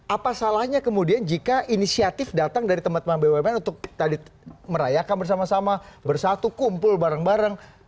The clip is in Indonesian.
apa salahnya kemudian jika inisiatif datang dari teman teman bumn untuk tadi merayakan bersama sama bersatu kumpul bareng bareng